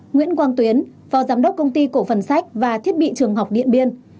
nguyễn quang tuyến phó giám đốc công ty cổ phần sách và thiết bị trường học điện biên